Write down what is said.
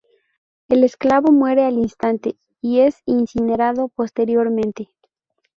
El esclavo muere al instante y es incinerado posteriormente.